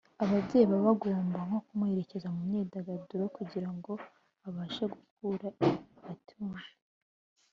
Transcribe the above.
ababyeyi baba bagomba nko kumuherekeza mu myidagaduro kugira ngo abashe gukura atigunga